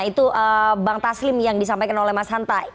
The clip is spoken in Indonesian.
itu bang taslim yang disampaikan oleh mas hanta